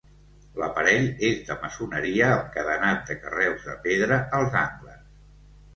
L'aparell és de maçoneria amb cadenat de carreus de pedra als angles.